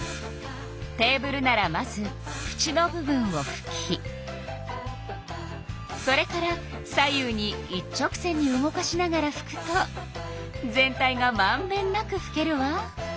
テーブルならまずふちの部分をふきそれから左右に一直線に動かしながらふくと全体がまんべんなくふけるわ。